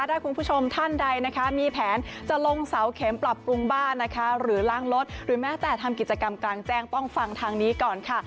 ถ้าคุณผู้ชมท่านใดนะคะมีแผนจะลงเสาเข็มปรับปรุงบ้านนะคะหรือล้างรถหรือแม้แต่ทำกิจกรรมกลางแจ้งต้องฟังทางนี้ก่อนค่ะ